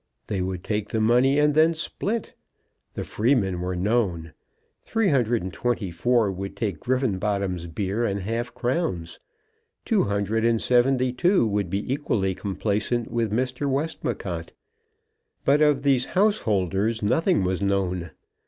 They would take the money and then split. The freemen were known. Three hundred and twenty four would take Griffenbottom's beer and half crowns. Two hundred and seventy two would be equally complaisant with Mr. Westmacott. But of these householders nothing was known.